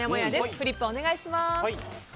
フリップお願いします。